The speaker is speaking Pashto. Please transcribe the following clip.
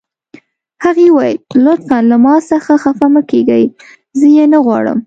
هغې وویل: لطفاً له ما څخه خفه مه کیږئ، زه یې نه غواړم.